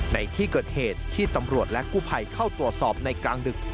ในที่เกิดเหตุที่ตำรวจและกู้ภัยเข้าตรวจสอบในกลางดึก